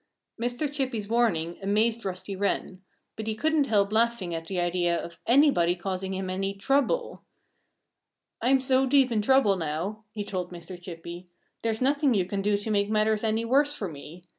Mr. Chippy's warning amazed Rusty Wren. But he couldn't help laughing at the idea of anybody causing him any trouble. "I'm so deep in trouble now," he told Mr. Chippy, "there's nothing you can do to make matters any worse for me.